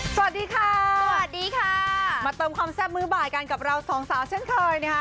สวัสดีค่ะสวัสดีค่ะมาเติมความแซ่บมือบ่ายกันกับเราสองสาวเช่นเคยนะคะ